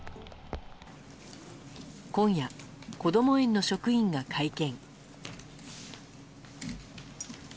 今夜、こども園の職員が会見。